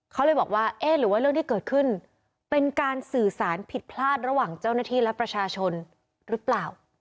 เขาเลยบอกว่าเอ๊ะหรือว่าเรื่องที่เกิดขึ้นเป็นการสื่อสารผิดพลาดระหว่างเจ้าหน้าที่และประชาชนหรือเปล่า